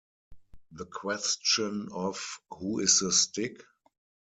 The question of Who is the Stig?